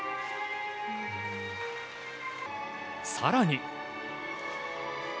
更に。